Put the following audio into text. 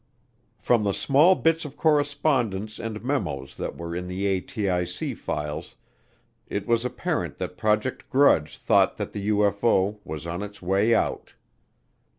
From the small bits of correspondence and memos that were in the ATIC files, it was apparent that Project Grudge thought that the UFO was on its way out.